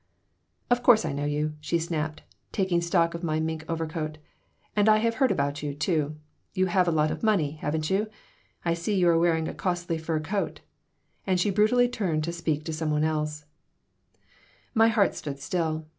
"Of course I know you," she snapped. taking stock of my mink overcoat. "And I have heard about you, too. You have a lot of money, haven't you? I see you are wearing a costly fur coat." And she brutally turned to speak to somebody else My heart stood still.